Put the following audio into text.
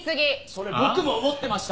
それ僕も思ってました！